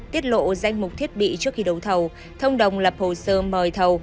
tiết lộ danh mục thiết bị trước khi đấu thầu thông đồng lập hồ sơ mời thầu